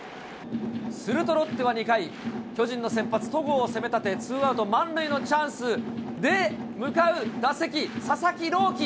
するとロッテは２回、巨人の先発、戸郷を攻めたてツーアウト満塁のチャンスで、向かう打席、佐々木朗希。